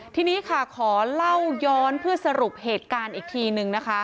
ทีนี้ค่ะขอเล่าย้อนเพื่อสรุปเหตุการณ์อีกทีนึงนะคะ